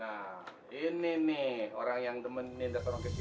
nah ini nih orang yang temenin dapet orang kecilnya